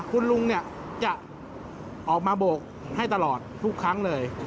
คุณลุงเนี่ยจะออกมาโบกให้ตลอดทุกครั้งเลย